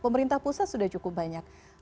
pemerintah pusat sudah cukup banyak